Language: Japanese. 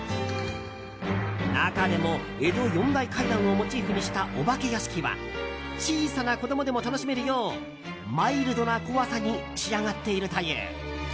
中でも江戸四大怪談をモチーフにしたお化け屋敷は小さな子供でも楽しめるようマイルドな怖さに仕上がっているという。